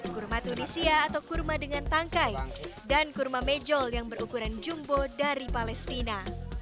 kurma tunisia atau kurma dengan tangkai dan kurma mejol yang berukuran jumbo dari palestina